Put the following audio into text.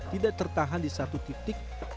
tidak tertahan di satu tingkat lagi